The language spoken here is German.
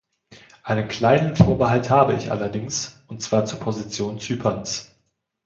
Einen kleinen Vorbehalt habe ich allerdings, und zwar zur Position Zyperns.